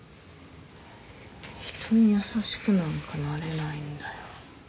人に優しくなんかなれないんだよ。